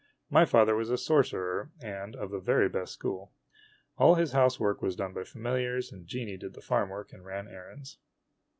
My father was a sorcerer, and of the very best school. All his house work was done by familiars, and o enii did the farm work and ran errands.